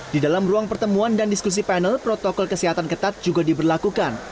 di dalam ruang pertemuan dan diskusi panel protokol kesehatan ketat juga diberlakukan